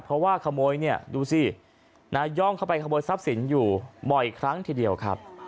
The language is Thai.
เพราะว่าขโมยเนี่ยดูสินาย่องเข้าไปขโมยทรัพย์สินอยู่บ่อยครั้งทีเดียวครับ